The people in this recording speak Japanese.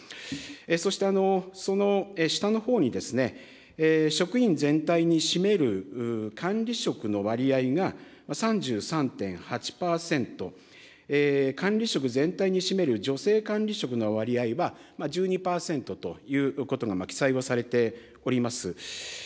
そして、その下のほうに、職員全体に占める管理職の割合が３３．８％、管理職全体に占める女性管理職の割合は１２％ということが記載をされております。